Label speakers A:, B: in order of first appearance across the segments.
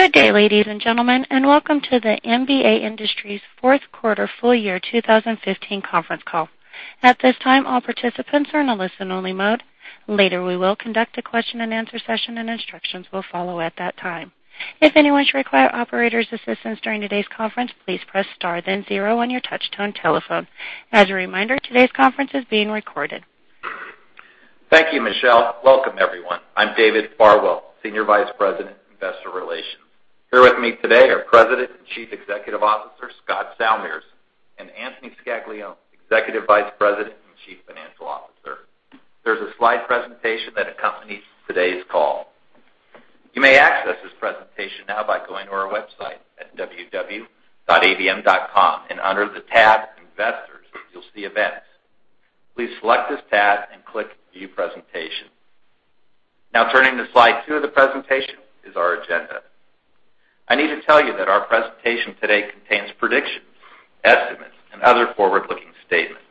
A: Good day, ladies and gentlemen, and welcome to the ABM Industries Fourth Quarter Full Year 2015 Conference Call. At this time, all participants are in a listen-only mode. Later, we will conduct a question-and-answer session, and instructions will follow at that time. If anyone should require operator's assistance during today's conference, please press star then zero on your touch-tone telephone. As a reminder, today's conference is being recorded.
B: Thank you, Michelle. Welcome, everyone. I'm David Farwell, Senior Vice President of Investor Relations. Here with me today are President and Chief Executive Officer, Scott Salmirs, and Anthony Scaglione, Executive Vice President and Chief Financial Officer. There's a slide presentation that accompanies today's call. You may access this presentation now by going to our website at www.abm.com, and under the tab Investors, you'll see Events. Please select this tab and click View Presentation. Turning to slide two of the presentation is our agenda. I need to tell you that our presentation today contains predictions, estimates, and other forward-looking statements.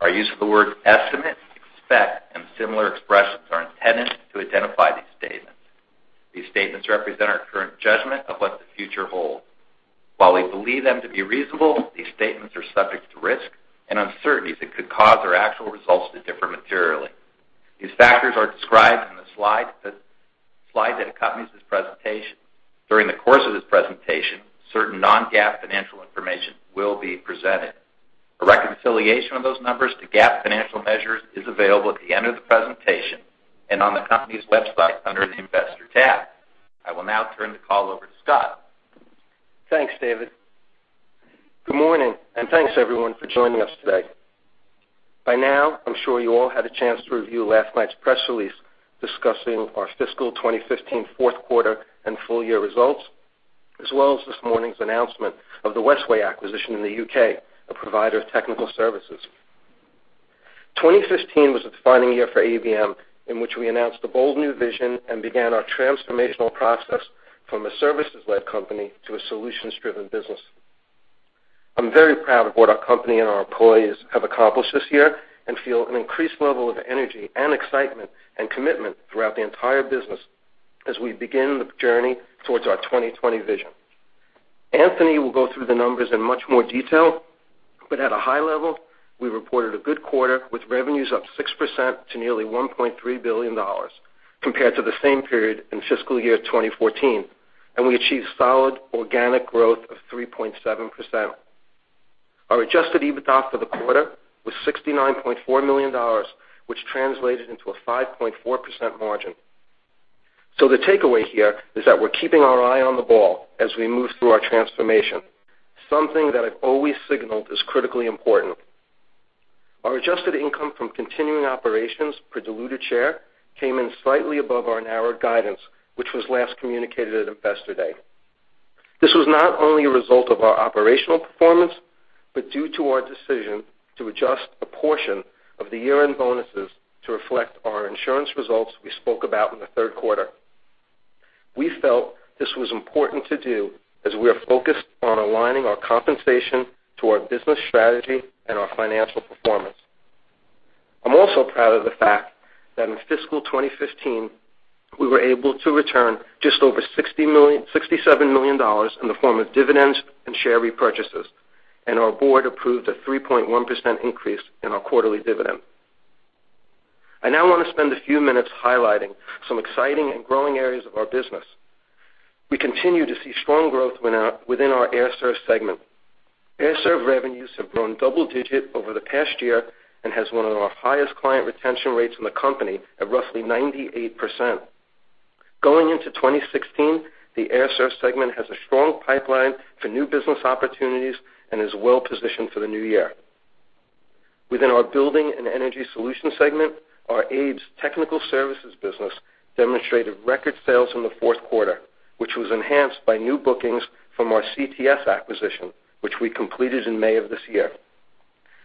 B: Our use of the word estimate, expect, and similar expressions are intended to identify these statements. These statements represent our current judgment of what the future holds. While we believe them to be reasonable, these statements are subject to risk and uncertainties that could cause our actual results to differ materially. These factors are described in the slide that accompanies this presentation. During the course of this presentation, certain non-GAAP financial information will be presented. A reconciliation of those numbers to GAAP financial measures is available at the end of the presentation and on the company's website under the Investor tab. I will now turn the call over to Scott.
C: Thanks, David. Good morning, and thanks, everyone, for joining us today. By now, I'm sure you all had a chance to review last night's press release discussing our fiscal 2015 fourth quarter and full-year results, as well as this morning's announcement of the Westway acquisition in the U.K., a provider of technical services. 2015 was a defining year for ABM, in which we announced a bold new vision and began our transformational process from a services-led company to a solutions-driven business. I'm very proud of what our company and our employees have accomplished this year and feel an increased level of energy and excitement and commitment throughout the entire business as we begin the journey towards our 2020 Vision. Anthony will go through the numbers in much more detail, but at a high level, we reported a good quarter with revenues up 6% to nearly $1.3 billion compared to the same period in fiscal year 2014, and we achieved solid organic growth of 3.7%. Our adjusted EBITDA for the quarter was $69.4 million, which translated into a 5.4% margin. The takeaway here is that we're keeping our eye on the ball as we move through our transformation. Something that I've always signaled is critically important. Our adjusted income from continuing operations per diluted share came in slightly above our narrowed guidance, which was last communicated at Investor Day. This was not only a result of our operational performance, but due to our decision to adjust a portion of the year-end bonuses to reflect our insurance results we spoke about in the third quarter. We felt this was important to do as we are focused on aligning our compensation to our business strategy and our financial performance. I'm also proud of the fact that in fiscal 2015, we were able to return just over $67 million in the form of dividends and share repurchases, and our board approved a 3.1% increase in our quarterly dividend. I now want to spend a few minutes highlighting some exciting and growing areas of our business. We continue to see strong growth within our Air Serv segment. Air Serv revenues have grown double digit over the past year and has one of our highest client retention rates in the company at roughly 98%. Going into 2016, the Air Serv segment has a strong pipeline for new business opportunities and is well-positioned for the new year. Within our Building & Energy Solutions segment, our ABES technical services business demonstrated record sales in the fourth quarter, which was enhanced by new bookings from our CTS acquisition, which we completed in May of this year.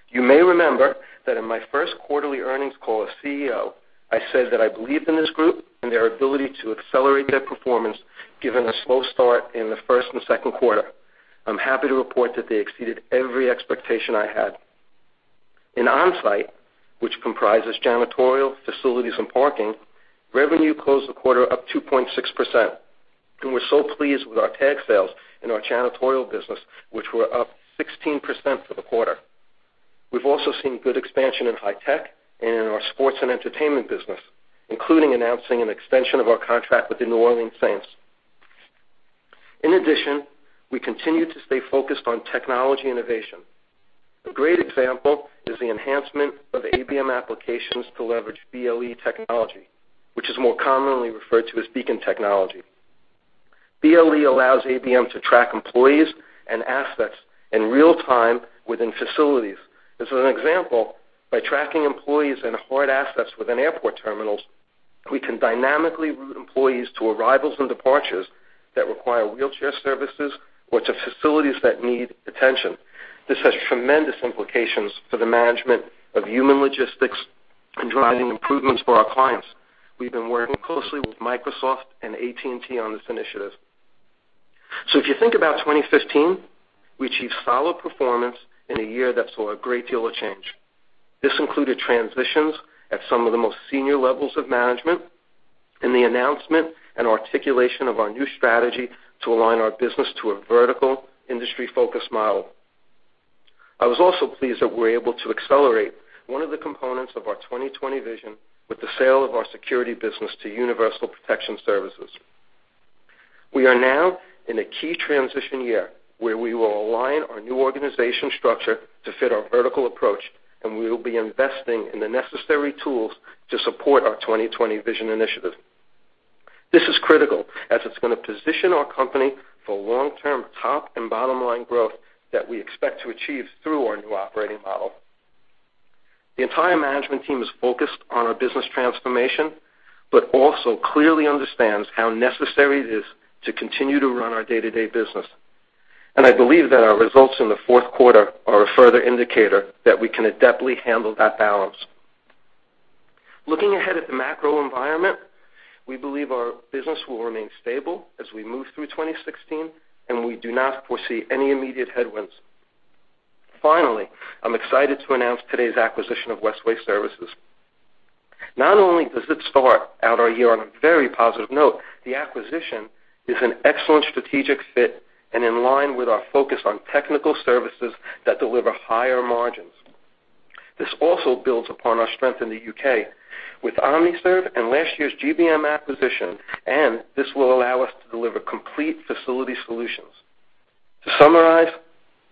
C: You may remember that in my first quarterly earnings call as CEO, I said that I believed in this group and their ability to accelerate their performance, given a slow start in the first and second quarter. I'm happy to report that they exceeded every expectation I had. In On-Site, which comprises janitorial, facilities, and parking, revenue closed the quarter up 2.6%. We're so pleased with our tag sales in our janitorial business, which were up 16% for the quarter. We've also seen good expansion in high-tech and in our sports and entertainment business, including announcing an extension of our contract with the New Orleans Saints. In addition, we continue to stay focused on technology innovation. A great example is the enhancement of ABM applications to leverage BLE technology, which is more commonly referred to as beacon technology. BLE allows ABM to track employees and assets in real time within facilities. As an example, by tracking employees and hard assets within airport terminals, we can dynamically route employees to arrivals and departures that require wheelchair services or to facilities that need attention. This has tremendous implications for the management of human logistics and driving improvements for our clients. We've been working closely with Microsoft and AT&T on this initiative. If you think about 2015, we achieved solid performance in a year that saw a great deal of change. This included transitions at some of the most senior levels of management and the announcement and articulation of our new strategy to align our business to a vertical industry-focused model. I was also pleased that we were able to accelerate one of the components of our 2020 Vision with the sale of our security business to Universal Protection Service. We are now in a key transition year, where we will align our new organization structure to fit our vertical approach, and we will be investing in the necessary tools to support our 2020 Vision initiative. This is critical, as it's going to position our company for long-term top and bottom-line growth that we expect to achieve through our new operating model. The entire management team is focused on our business transformation, but also clearly understands how necessary it is to continue to run our day-to-day business. I believe that our results in the fourth quarter are a further indicator that we can adeptly handle that balance. Looking ahead at the macro environment, we believe our business will remain stable as we move through 2016, and we do not foresee any immediate headwinds. Finally, I'm excited to announce today's acquisition of Westway Services. Not only does it start out our year on a very positive note, the acquisition is an excellent strategic fit and in line with our focus on technical services that deliver higher margins. This also builds upon our strength in the U.K. with OmniServ and last year's GBM acquisition, this will allow us to deliver complete facility solutions. To summarize,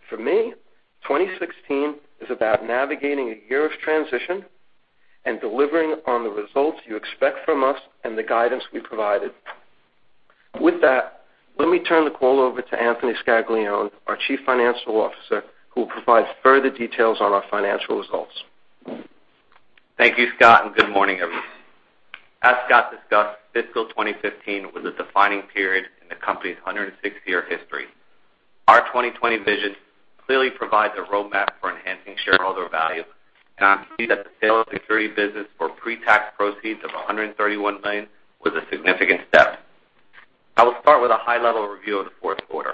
C: for me, 2016 is about navigating a year of transition and delivering on the results you expect from us and the guidance we provided. With that, let me turn the call over to Anthony Scaglione, our Chief Financial Officer, who will provide further details on our financial results.
D: Thank you, Scott, and good morning, everyone. As Scott discussed, fiscal 2015 was a defining period in the company's 106-year history. Our 2020 Vision clearly provides a roadmap for enhancing shareholder value, and I'm pleased that the sale of security business for pre-tax proceeds of $131 million was a significant step. I will start with a high-level review of the fourth quarter.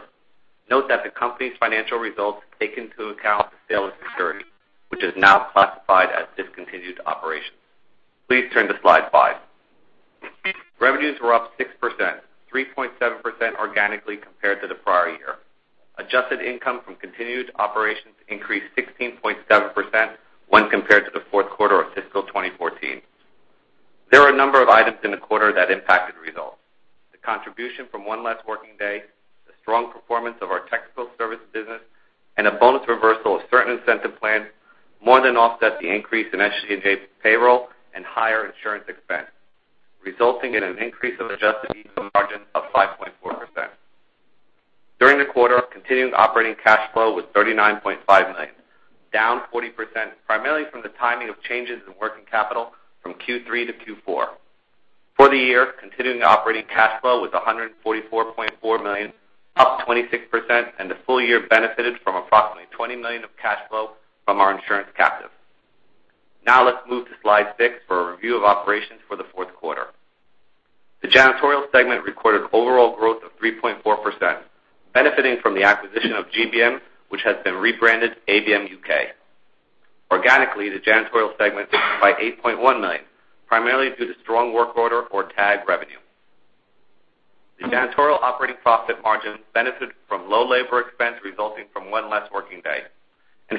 D: Note that the company's financial results take into account the sale of security, which is now classified as discontinued operations. Please turn to slide five. Revenues were up 6%, 3.7% organically compared to the prior year. Adjusted income from continued operations increased 16.7% when compared to the fourth quarter of fiscal 2014. There are a number of items in the quarter that impacted results. The contribution from one less working day, the strong performance of our technical service business, and a bonus reversal of certain incentive plans more than offset the increase in SJ payroll and higher insurance expense, resulting in an increase of adjusted EBITDA margin of 5.4%. During the quarter, continuing operating cash flow was $39.5 million, down 40%, primarily from the timing of changes in working capital from Q3 to Q4. For the year, continuing operating cash flow was $144.4 million, up 26%, and the full year benefited from approximately $20 million of cash flow from our insurance captive. Let's move to slide six for a review of operations for the fourth quarter. The janitorial segment recorded overall growth of 3.4%, benefiting from the acquisition of GBM, which has been rebranded ABM UK. Organically, the janitorial segment by $8.1 million, primarily due to strong work order or tag revenue. The janitorial operating profit margin benefited from low labor expense resulting from one less working day.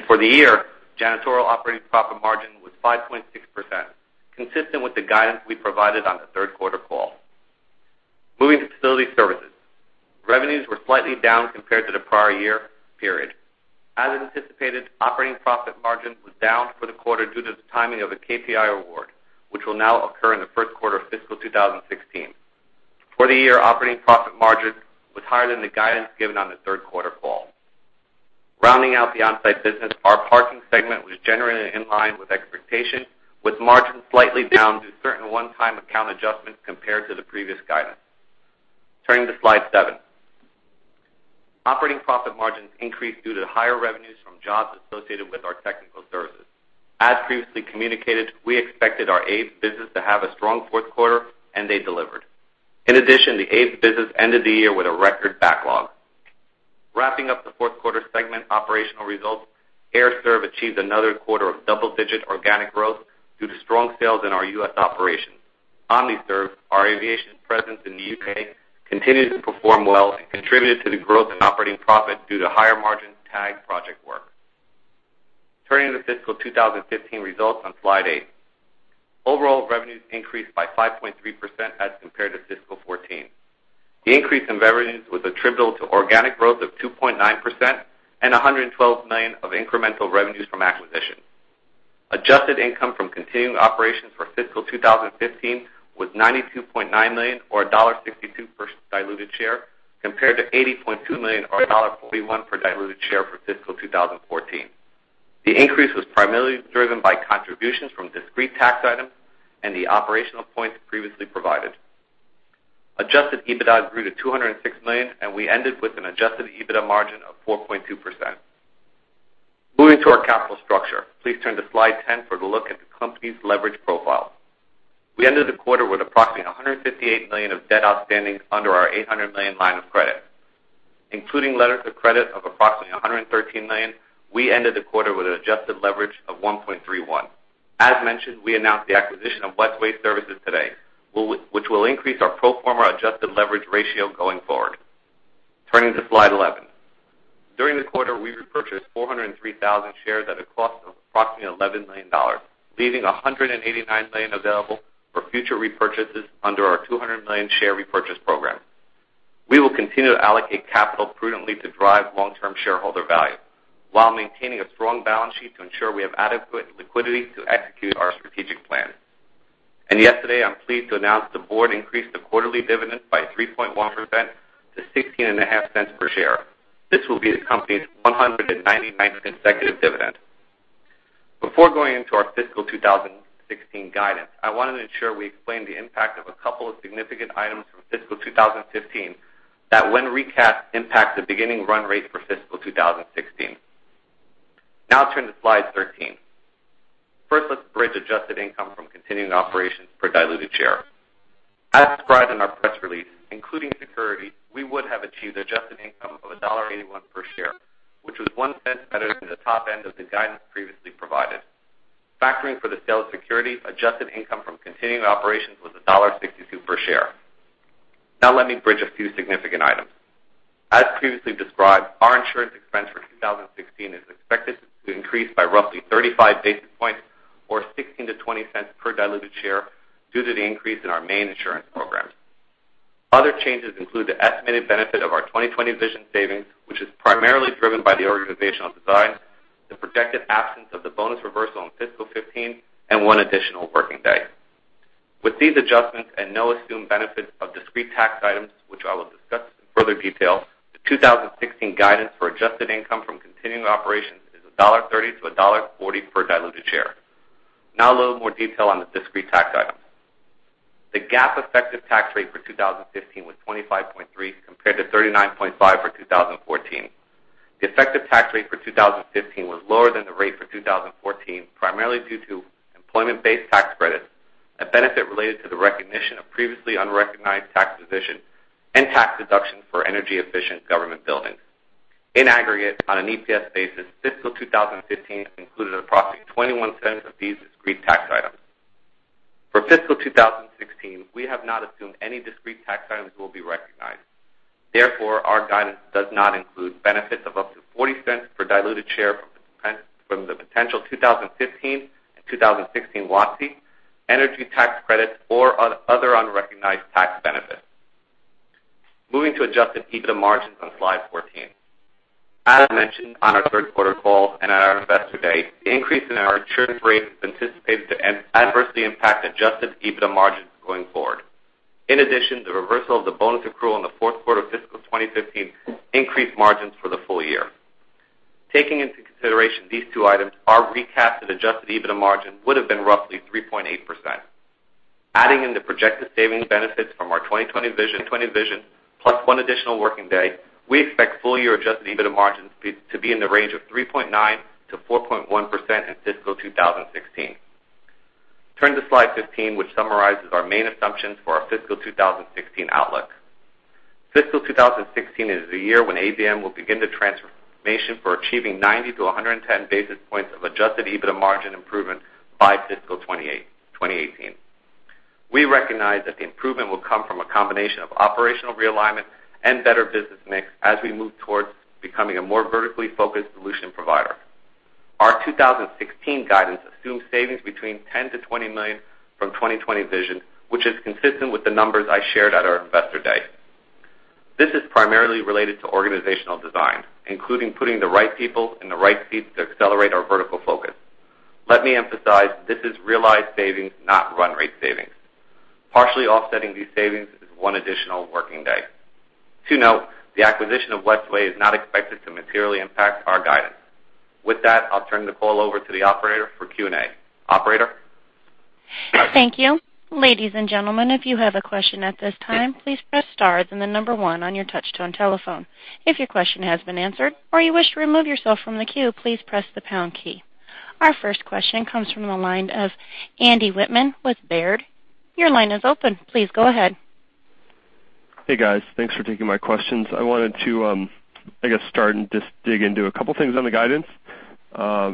D: For the year, janitorial operating profit margin was 5.6%, consistent with the guidance we provided on the third quarter call. Moving to facility services. Revenues were slightly down compared to the prior year period. As anticipated, operating profit margin was down for the quarter due to the timing of a KPI award, which will now occur in the first quarter of fiscal 2016. For the year, operating profit margin was higher than the guidance given on the third quarter call. Rounding out the on-site business, our parking segment was generally in line with expectation, with margin slightly down due to certain one-time account adjustments compared to the previous guidance. Turning to slide seven. Operating profit margins increased due to higher revenues from jobs associated with our technical services. As previously communicated, we expected our ABES business to have a strong fourth quarter, and they delivered. In addition, the ABES business ended the year with a record backlog. Wrapping up the fourth quarter segment operational results, Air Serv achieved another quarter of double-digit organic growth due to strong sales in our U.S. operations. OmniServ, our aviation presence in the U.K., continues to perform well and contributed to the growth in operating profit due to higher margin tag project work. Turning to fiscal 2015 results on slide eight. Overall revenues increased by 5.3% as compared to fiscal 2014. The increase in revenues was attributable to organic growth of 2.9% and $112 million of incremental revenues from acquisition. Adjusted income from continuing operations for fiscal 2015 was $92.9 million, or $1.62 per diluted share, compared to $80.2 million or $1.41 per diluted share for fiscal 2014. The increase was primarily driven by contributions from discrete tax items and the operational points previously provided. Adjusted EBITDA grew to $206 million, and we ended with an adjusted EBITDA margin of 4.2%. Our capital structure. Please turn to slide 10 for the look at the company's leverage profile. We ended the quarter with approximately $158 million of debt outstanding under our $800 million line of credit. Including letters of credit of approximately $113 million, we ended the quarter with an adjusted leverage of 1.31. As mentioned, we announced the acquisition of Westway Services today, which will increase our pro forma adjusted leverage ratio going forward. Turning to slide 11. During the quarter, we repurchased 403,000 shares at a cost of approximately $11 million, leaving $189 million available for future repurchases under our $200 million share repurchase program. We will continue to allocate capital prudently to drive long-term shareholder value, while maintaining a strong balance sheet to ensure we have adequate liquidity to execute our strategic plan. Yesterday, I'm pleased to announce the board increased the quarterly dividend by 3.1% to $0.165 per share. This will be the company's 199th consecutive dividend. Before going into our fiscal 2016 guidance, I wanted to ensure we explained the impact of a couple of significant items from fiscal 2015, that when recapped, impact the beginning run rate for fiscal 2016. Now turn to slide 13. First, let's bridge adjusted income from continuing operations per diluted share. As described in our press release, including security, we would have achieved adjusted income of $1.81 per share, which was $0.01 better than the top end of the guidance previously provided. Factoring for the sale of securities, adjusted income from continuing operations was $1.62 per share. Now let me bridge a few significant items. As previously described, our insurance expense for 2016 is expected to increase by roughly 35 basis points, or $0.16 to $0.20 per diluted share due to the increase in our main insurance programs. Other changes include the estimated benefit of our 2020 Vision savings, which is primarily driven by the organizational design, the projected absence of the bonus reversal in fiscal 2015, and one additional working day. With these adjustments and no assumed benefits of discrete tax items, which I will discuss in further detail, the 2016 guidance for adjusted income from continuing operations is $1.30 to $1.40 per diluted share. Now a little more detail on the discrete tax items. The GAAP effective tax rate for 2015 was 25.3%, compared to 39.5% for 2014. The effective tax rate for 2015 was lower than the rate for 2014, primarily due to employment-based tax credits, a benefit related to the recognition of previously unrecognized tax positions, and tax deductions for energy-efficient government buildings. In aggregate, on an EPS basis, fiscal 2015 included approximately $0.21 of these discrete tax items. For fiscal 2016, we have not assumed any discrete tax items will be recognized. Therefore, our guidance does not include benefits of up to $0.40 per diluted share from the potential 2015 and 2016 WOTC, energy tax credits or other unrecognized tax benefits. Moving to adjusted EBITDA margins on slide 14. As mentioned on our third quarter call and at our Investor Day, the increase in our insurance rate is anticipated to adversely impact adjusted EBITDA margins going forward. In addition, the reversal of the bonus accrual in the fourth quarter of fiscal 2015 increased margins for the full year. Taking into consideration these two items, our recasted adjusted EBITDA margin would've been roughly 3.8%. Adding in the projected savings benefits from our 2020 Vision, plus one additional working day, we expect full year adjusted EBITDA margins to be in the range of 3.9%-4.1% in fiscal 2016. Turn to slide 15, which summarizes our main assumptions for our fiscal 2016 outlook. Fiscal 2016 is the year when ABM will begin the transformation for achieving 90 to 110 basis points of adjusted EBITDA margin improvement by fiscal 2018. We recognize that the improvement will come from a combination of operational realignment and better business mix as we move towards becoming a more vertically focused solution provider. Our 2016 guidance assumes savings between $10 million-$20 million from 2020 Vision, which is consistent with the numbers I shared at our Investor Day. This is primarily related to organizational design, including putting the right people in the right seats to accelerate our vertical focus. Let me emphasize, this is realized savings, not run rate savings. Partially offsetting these savings is one additional working day. To note, the acquisition of Westway is not expected to materially impact our guidance. With that, I'll turn the call over to the operator for Q&A. Operator?
A: Thank you. Ladies and gentlemen, if you have a question at this time, please press star, then the number one on your touch-tone telephone. If your question has been answered or you wish to remove yourself from the queue, please press the pound key. Our first question comes from the line of Andy Wittmann with Baird. Your line is open. Please go ahead.
E: Hey, guys. Thanks for taking my questions. I wanted to, I guess, start and just dig into a couple things on the guidance.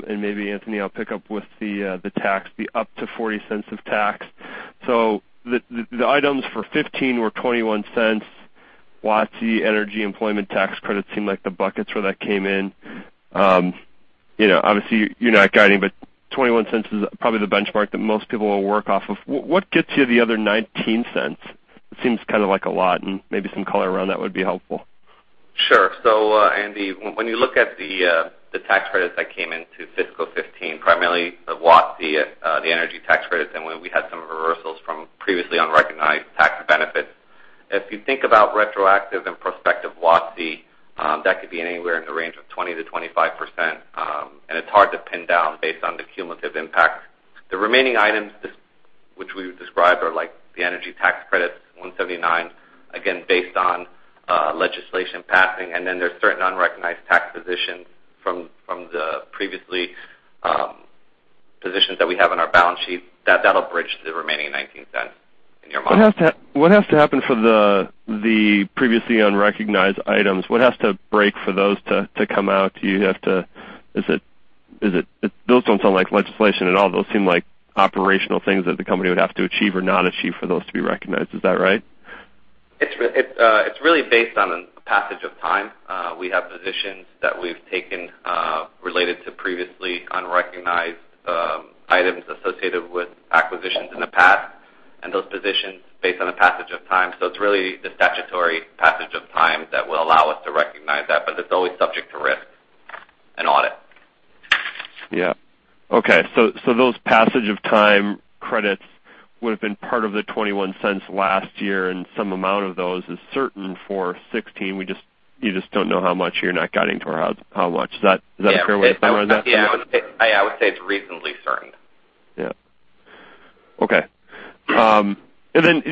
E: Maybe Anthony, I'll pick up with the tax, the up to $0.40 of tax. The items for '15 were $0.21. WOTC, energy, employment tax credits seem like the buckets where that came in. Obviously, you're not guiding, but $0.21 is probably the benchmark that most people will work off of. What gets you the other $0.19? It seems kind of like a lot, and maybe some color around that would be helpful. Sure. Andy, when you look at the tax credits that came into fiscal '15, primarily the WOTC, the energy tax credits, and when we had some reversals from previously unrecognized tax benefits.
D: If you think about retroactive and prospective WOTC, that could be anywhere in the range of 20%-25%, and it's hard to pin down based on the cumulative impact. The remaining items, which we would describe are the energy tax credits, 179, again, based on legislation passing. Then there's certain unrecognized tax positions from the previous positions that we have on our balance sheet. That'll bridge the remaining $0.19 in your model.
E: What has to happen for the previously unrecognized items? What has to break for those to come out? Those don't sound like legislation at all. Those seem like operational things that the company would have to achieve or not achieve for those to be recognized. Is that right?
D: It's really based on a passage of time. We have positions that we've taken related to previously unrecognized items associated with acquisitions in the past, and those positions based on the passage of time. It's really the statutory passage of time that will allow us to recognize that, but it's always subject to risk and audit.
E: Yeah. Okay. Those passage of time credits would've been part of the $0.21 last year, and some amount of those is certain for 2016. You just don't know how much. You're not guiding toward how much. Is that a fair way to summarize that for you?
D: Yeah, I would say it's reasonably certain.
E: Yeah. Okay. Then,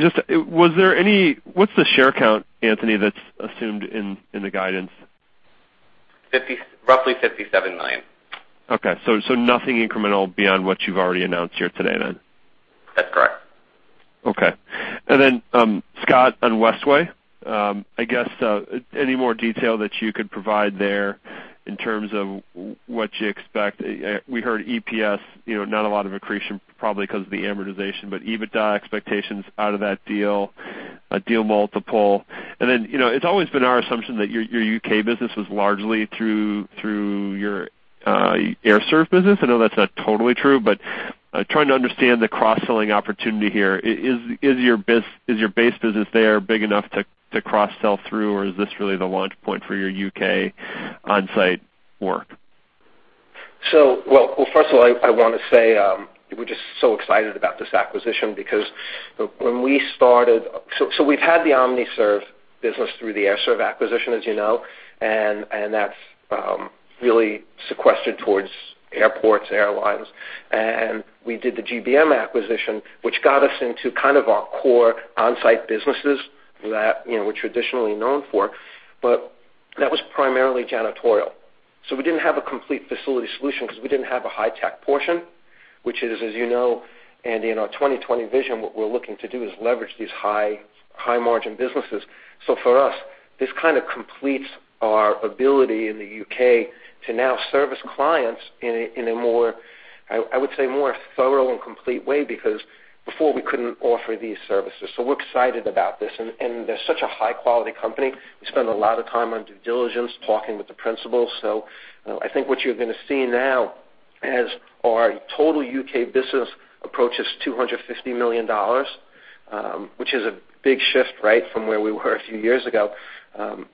E: what's the share count, Anthony, that's assumed in the guidance?
D: Roughly 57 million.
E: Okay, nothing incremental beyond what you've already announced here today then?
D: That's correct.
E: Okay. Scott, on Westway, I guess, any more detail that you could provide there in terms of what you expect? We heard EPS, not a lot of accretion, probably because of the amortization, EBITDA expectations out of that deal, a deal multiple. It's always been our assumption that your U.K. business was largely through your Air Serv business. I know that's not totally true, trying to understand the cross-selling opportunity here. Is your base business there big enough to cross-sell through, or is this really the launch point for your U.K. onsite work?
C: Well, first of all, I want to say, we're just so excited about this acquisition. We've had the OmniServ business through the Air Serv acquisition, as you know, that's really sequestered towards airports, airlines. We did the GBM acquisition, which got us into kind of our core onsite businesses that we're traditionally known for. That was primarily janitorial. We didn't have a complete facility solution because we didn't have a high-tech portion, which is, as you know, Andy, in our 2020 Vision, what we're looking to do is leverage these high margin businesses. For us, this kind of completes our ability in the U.K. to now service clients in a, I would say, more thorough and complete way, because before we couldn't offer these services. We're excited about this, they're such a high-quality company. We spend a lot of time on due diligence, talking with the principals. I think what you're going to see now as our total U.K. business approaches $250 million, which is a big shift from where we were a few years ago.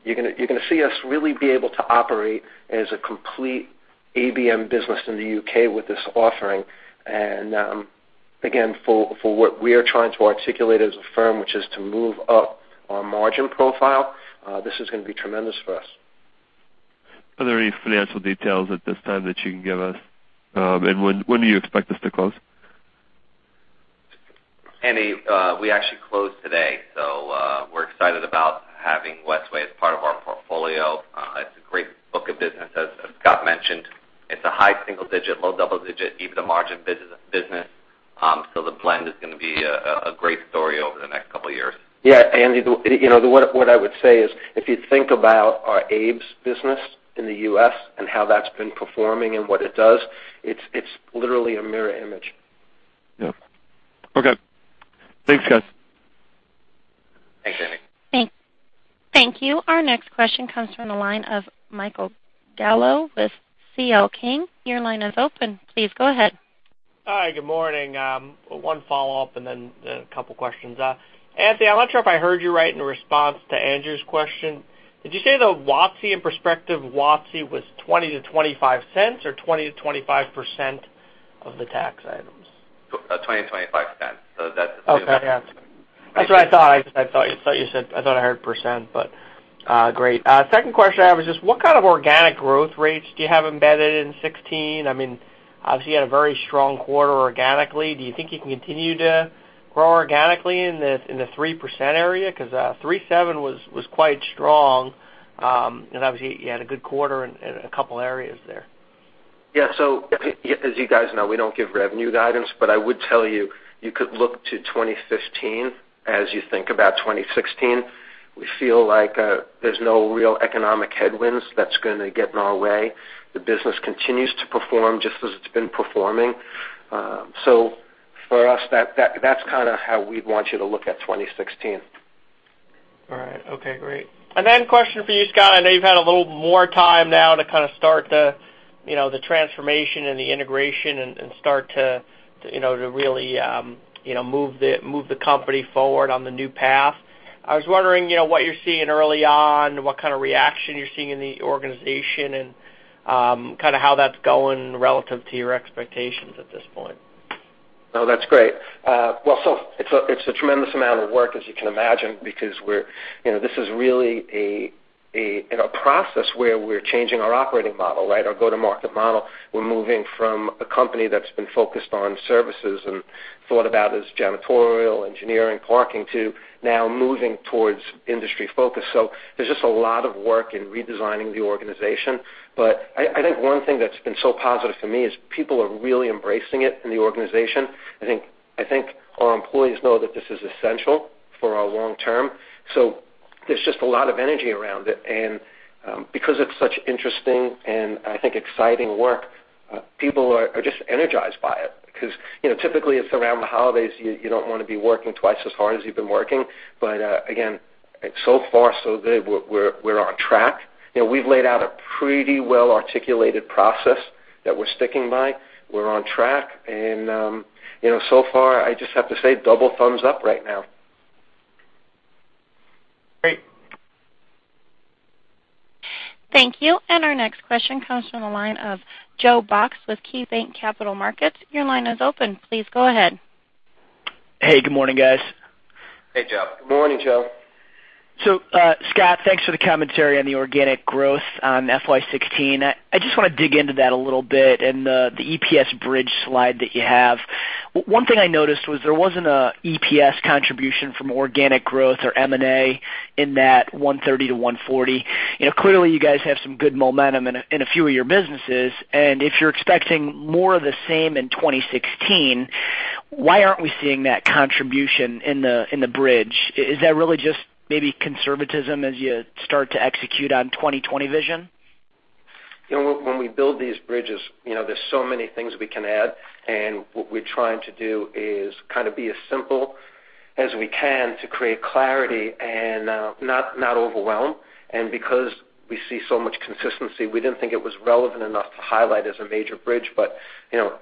C: You're going to see us really be able to operate as a complete ABM business in the U.K. with this offering. Again, for what we are trying to articulate as a firm, which is to move up our margin profile, this is going to be tremendous for us.
E: Are there any financial details at this time that you can give us? When do you expect this to close?
D: Andy, we actually closed today. We're excited about having Westway as part of our portfolio. It's a great book of business, as Scott mentioned. It's a high single digit, low double digit EBITDA margin business. The blend is going to be a great story over the next couple of years.
C: Yeah. Andy, what I would say is, if you think about our ABES business in the U.S. and how that's been performing and what it does, it's literally a mirror image.
E: Okay. Thanks, guys.
D: Thanks, Andy.
A: Thank you. Our next question comes from the line of Michael Gallo with C.L. King. Your line is open. Please go ahead.
F: Hi, good morning. One follow-up and then a couple questions. Anthony, I am not sure if I heard you right in response to Andy's question. Did you say the WOTC and prospective WOTC was $0.20 to $0.25 or 20%-25% of the tax items?
D: $0.20 to $0.25.
F: Okay. Yeah. That is what I thought. I thought I heard percent, great. Second question I have is just what kind of organic growth rates do you have embedded in 2016? Obviously, you had a very strong quarter organically. Do you think you can continue to grow organically in the 3% area? Because 3.7% was quite strong. Obviously, you had a good quarter in a couple areas there.
C: Yeah. As you guys know, we don't give revenue guidance, but I would tell you could look to 2015 as you think about 2016. We feel like there's no real economic headwinds that's going to get in our way. The business continues to perform just as it's been performing. For us, that's kind of how we'd want you to look at 2016.
F: All right. Okay, great. Then question for you, Scott. I know you've had a little more time now to kind of start the transformation and the integration, and start to really move the company forward on the new path. I was wondering what you're seeing early on, what kind of reaction you're seeing in the organization, and kind of how that's going relative to your expectations at this point.
C: No, that's great. Well, it's a tremendous amount of work, as you can imagine, because this is really a process where we're changing our operating model, our go-to-market model. We're moving from a company that's been focused on services and thought about as janitorial, engineering, parking, to now moving towards industry focus. There's just a lot of work in redesigning the organization. I think one thing that's been so positive for me is people are really embracing it in the organization. I think our employees know that this is essential for our long term, so there's just a lot of energy around it. Because it's such interesting and, I think, exciting work, people are just energized by it. Because typically it's around the holidays, you don't want to be working twice as hard as you've been working. Again, so far, so good. We're on track. We've laid out a pretty well-articulated process that we're sticking by. We're on track, and so far, I just have to say double thumbs up right now.
F: Great.
A: Thank you. Our next question comes from the line of Joe Box with KeyBanc Capital Markets. Your line is open. Please go ahead.
G: Hey, good morning, guys.
C: Hey, Joe.
D: Good morning, Joe.
G: Scott, thanks for the commentary on the organic growth on FY 2016. I just want to dig into that a little bit and the EPS bridge slide that you have. One thing I noticed was there wasn't an EPS contribution from organic growth or M&A in that $1.30 to $1.40. Clearly you guys have some good momentum in a few of your businesses, and if you're expecting more of the same in 2016, why aren't we seeing that contribution in the bridge? Is that really just maybe conservatism as you start to execute on 2020 Vision?
C: When we build these bridges, there's so many things we can add, and what we're trying to do is kind of be as simple as we can to create clarity and not overwhelm. Because we see so much consistency, we didn't think it was relevant enough to highlight as a major bridge.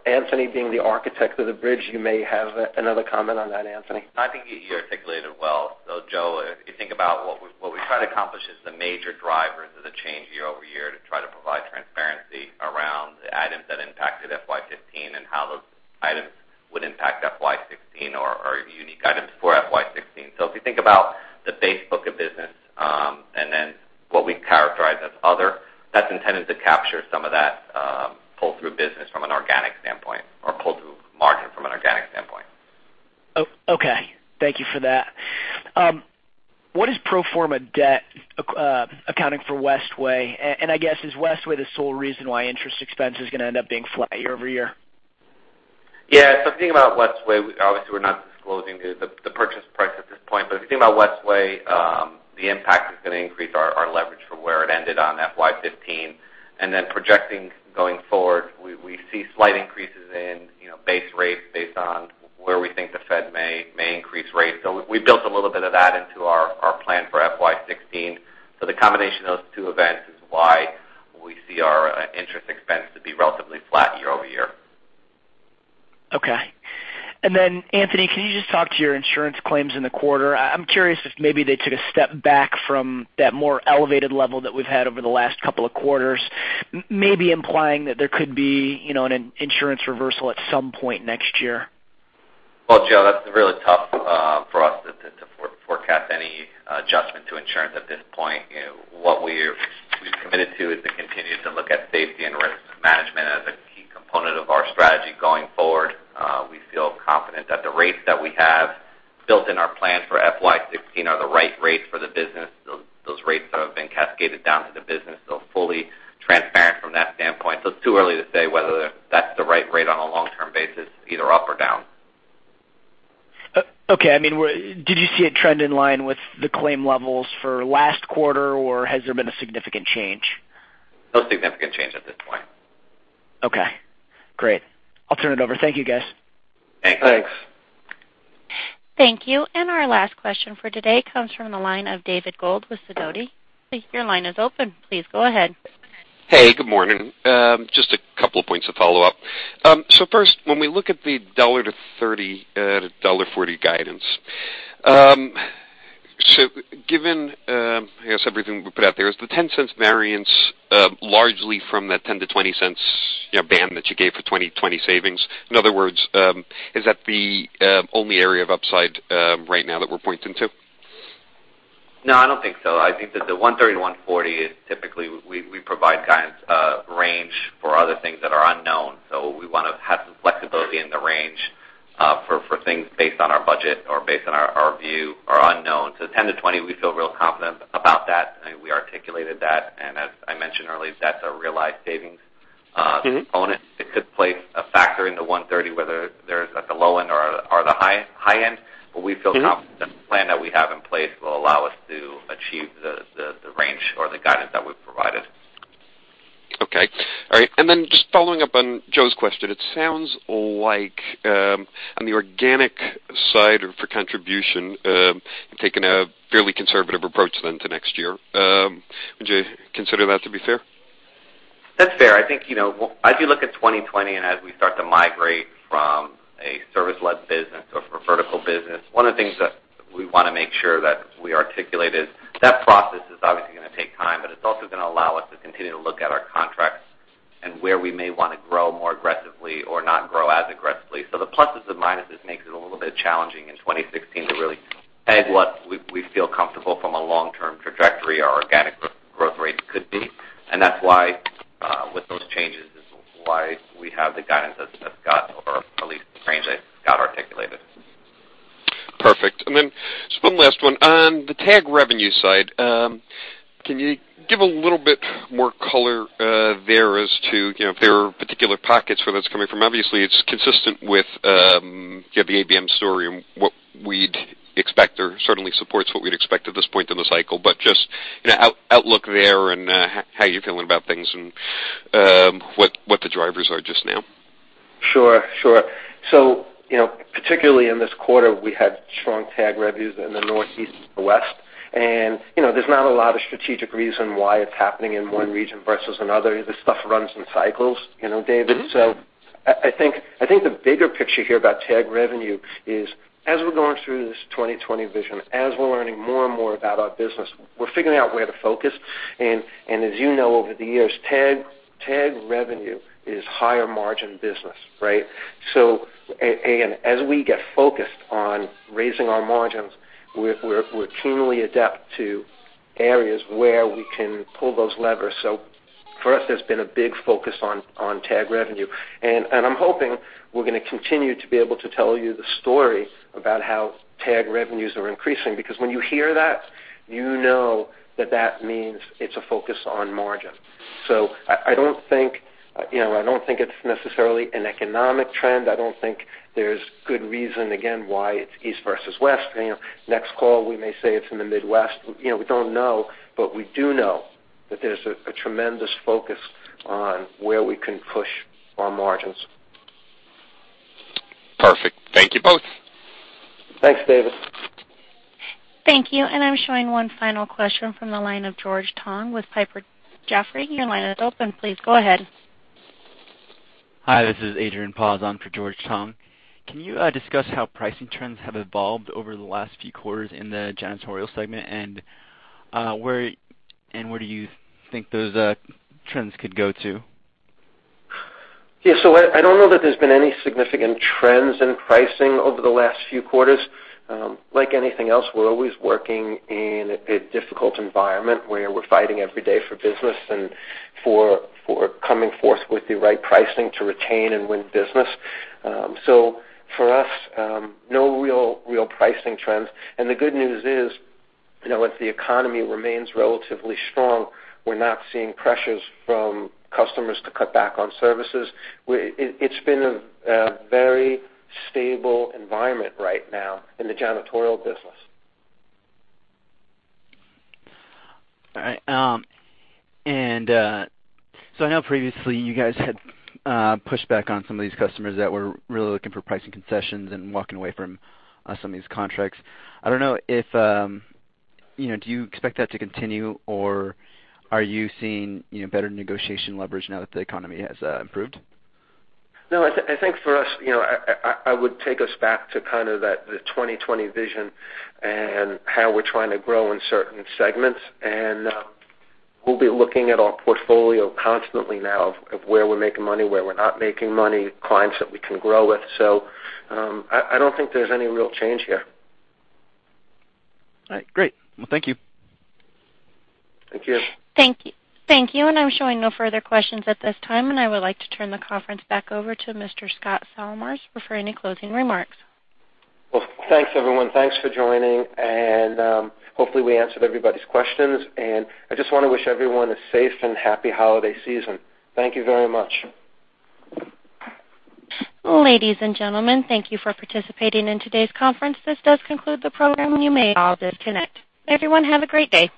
C: Anthony, being the architect of the bridge, you may have another comment on that, Anthony.
D: I think you articulated it well, though, Joe. If you think about what we try to accomplish is the major drivers of the change year-over-year to try to provide transparency around the items that impacted FY 2015 and how those items would impact FY 2016 or unique items for FY 2016. If you think about the base book of business, and then what we characterize as other, that's intended to capture some of that pull-through business from an organic standpoint, or pull-through margin from an organic standpoint.
G: Okay. Thank you for that. What is pro forma debt accounting for Westway? I guess is Westway the sole reason why interest expense is going to end up being flat year-over-year?
D: Yeah. If you think about Westway, obviously, we're not disclosing the purchase price at this point. If you think about Westway, the impact is going to increase our leverage from where it ended on FY 2015. Projecting going forward, we see slight increases in base rates based on where we think the Fed may increase rates. We built a little bit of that into our plan for FY 2016. The combination of those two events is why we see our interest expense to be relatively flat year-over-year.
G: Okay. Anthony, can you just talk to your insurance claims in the quarter? I'm curious if maybe they took a step back from that more elevated level that we've had over the last couple of quarters, maybe implying that there could be an insurance reversal at some point next year.
D: Well, Joe, that's really tough for us to forecast any adjustment to insurance at this point. What we've committed to is to continue to look at safety and risk management as a key component of our strategy going forward. We feel confident that the rates that we have built in our plan for FY 2016 are the right rates for the business. Those rates have been cascaded down to the business, fully transparent from that standpoint. It's too early to say whether that's the right rate on a long-term basis, either up or down.
G: Okay. Did you see a trend in line with the claim levels for last quarter, or has there been a significant change?
D: No significant change at this point.
G: Okay, great. I'll turn it over. Thank you, guys.
D: Thanks.
C: Thanks.
A: Thank you. Our last question for today comes from the line of David Gold with Sidoti. Your line is open. Please go ahead.
H: Hey, good morning. Just a couple of points to follow up. First, when we look at the $1.30-$1.40 guidance, given, I guess, everything we put out there, is the $0.10 variance largely from that $0.10-$0.20 band that you gave for 2020 savings? In other words, is that the only area of upside right now that we're pointing to?
D: No, I don't think so. I think that the $1.30-$1.40 is typically we provide guidance range for other things that are unknown. We want to have some flexibility in the range for things based on our budget or based on our view are unknown. $10 million-$20 million, we feel real confident about that, and we articulated that. As I mentioned earlier, that's a realized savings component. It could play a factor in the $1.30, whether they're at the low end or the high end. We feel confident the plan that we have in place will allow us to achieve the range or the guidance that we've provided.
H: Okay. All right. Just following up on Joe's question, it sounds like on the organic side for contribution, you've taken a fairly conservative approach then to next year. Would you consider that to be fair?
D: That's fair. As you look at 2020, and as we start to migrate from a service-led business or from vertical business. One of the things that we want to make sure that we articulate is that process is obviously going to take time, but it's also going to allow us to continue to look at our contracts and where we may want to grow more aggressively or not grow as aggressively. The pluses and minuses makes it a little bit challenging in 2016 to really peg what we feel comfortable from a long-term trajectory, our organic growth rate could be. That's why with those changes, this is why we have the guidance that Scott or at least the frames that Scott articulated.
H: Perfect. Just one last one. On the tag revenue side, can you give a little bit more color there as to if there are particular pockets where that's coming from? Obviously, it's consistent with the ABM story and what we'd expect, or certainly supports what we'd expect at this point in the cycle. Just outlook there and how you're feeling about things and what the drivers are just now.
C: Sure. Particularly in this quarter, we had strong tag revenues in the Northeast and the West. There's not a lot of strategic reason why it's happening in one region versus another. This stuff runs in cycles, David. I think the bigger picture here about tag revenue is as we're going through this 2020 Vision, as we're learning more and more about our business, we're figuring out where to focus. As you know, over the years, tag revenue is higher margin business, right? As we get focused on raising our margins, we're keenly adept to areas where we can pull those levers. For us, there's been a big focus on tag revenue. I'm hoping we're going to continue to be able to tell you the story about how tag revenues are increasing. Because when you hear that, you know that that means it's a focus on margin. I don't think it's necessarily an economic trend. I don't think there's good reason, again, why it's East versus West. Next call, we may say it's in the Midwest. We don't know. We do know that there's a tremendous focus on where we can push our margins.
H: Perfect. Thank you both.
C: Thanks, David.
A: Thank you. I'm showing one final question from the line of George Tong with Piper Jaffray. Your line is open. Please go ahead.
I: Hi, this is Adrian Paz on for George Tong. Can you discuss how pricing trends have evolved over the last few quarters in the janitorial segment where do you think those trends could go to?
D: Yeah. I don't know that there's been any significant trends in pricing over the last few quarters. Like anything else, we're always working in a difficult environment where we're fighting every day for business and for coming forth with the right pricing to retain and win business. For us, no real pricing trends. The good news is, if the economy remains relatively strong, we're not seeing pressures from customers to cut back on services. It's been a very stable environment right now in the janitorial business.
I: All right. I know previously you guys had pushed back on some of these customers that were really looking for pricing concessions and walking away from some of these contracts. I don't know, do you expect that to continue, or are you seeing better negotiation leverage now that the economy has improved?
D: No, I think for us, I would take us back to kind of the 2020 Vision and how we're trying to grow in certain segments. We'll be looking at our portfolio constantly now of where we're making money, where we're not making money, clients that we can grow with. I don't think there's any real change here.
I: All right, great. Well, thank you.
D: Thank you.
A: Thank you. I'm showing no further questions at this time, and I would like to turn the conference back over to Mr. Scott Salmirs for any closing remarks.
C: Well, thanks, everyone. Thanks for joining, and hopefully we answered everybody's questions. I just want to wish everyone a safe and happy holiday season. Thank you very much.
A: Ladies and gentlemen, thank you for participating in today's conference. This does conclude the program. You may all disconnect. Everyone have a great day.